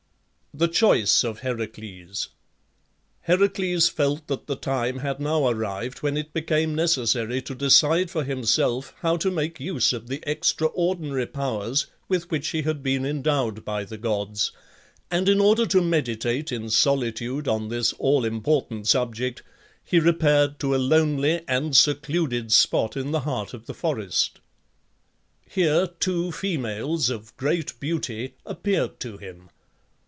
THE CHOICE OF HERACLES. Heracles felt that the time had now arrived when it became necessary to decide for himself how to make use of the extraordinary powers with which he had been endowed by the gods; and in order to meditate in solitude on this all important subject, he repaired to a lonely and secluded spot in the heart of the forest. Here two females of great beauty appeared to him.